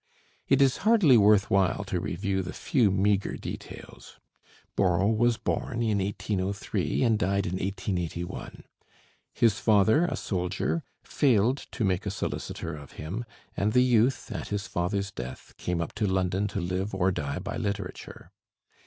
It is hardly worth while to review the few meagre details. Borrow was born in 1803 and died in 1881; his father, a soldier, failed to make a solicitor of him, and the youth, at his father's death, came up to London to live or die by literature.